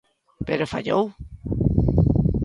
Pero fallou.